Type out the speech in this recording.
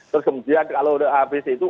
terus kemudian kalau habis itu